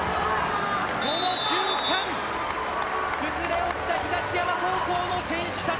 この瞬間崩れ落ちた東山高校の選手たち。